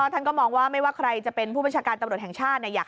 ท่านก็มองว่าไม่ว่าใครจะเป็นผู้บัญชาการตำรวจแห่งชาติ